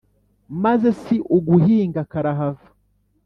maze si uguhinga karahava!